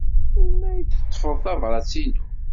Melmi ay d-teḍḍfed tabṛat-inu?